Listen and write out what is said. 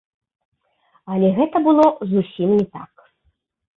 Але гэта было зусім не так.